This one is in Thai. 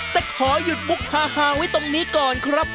แต่ขอหยุดมุกทาฮาไว้ตรงนี้ก่อนครับ